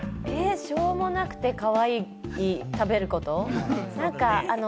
しょうもなくて、可愛くて、食べること？